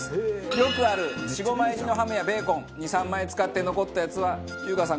よくある４５枚入りのハムやベーコン２３枚使って残ったやつは優香さん